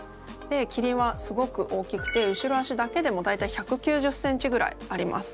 キリンはすごく大きくて後ろ足だけでも大体１９０ｃｍぐらいあります。